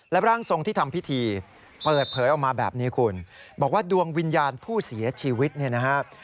ร่างทรงที่ทำพิธีเปิดเผยออกมาแบบนี้คุณบอกว่าดวงวิญญาณผู้เสียชีวิตเนี่ยนะฮะ